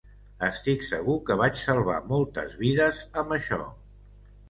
Estic segur que vaig salvar moltes vides amb això.